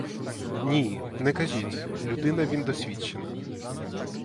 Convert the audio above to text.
Ні, не кажіть, людина він досвідчена.